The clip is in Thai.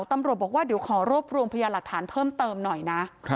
ตำรวจบอกว่าเดี๋ยวขอรวบรวมพยาหลักฐานเพิ่มเติมหน่อยนะ